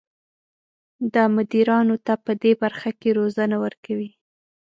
دا مدیرانو ته پدې برخه کې روزنه ورکوي.